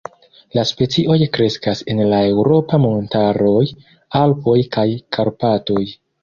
La specioj kreskas en la eŭropa montaroj Alpoj kaj Karpatoj.